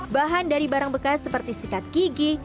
bahan dari barang bekas seperti sikat gigi